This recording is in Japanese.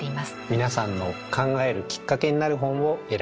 皆さんの考えるきっかけになる本を選びます。